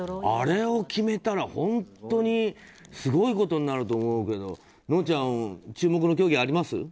あれを決めたら本当にすごいことになると思うけどのんちゃん、注目の競技あります？